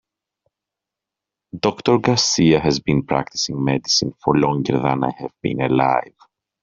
Doctor Garcia has been practicing medicine for longer than I have been alive.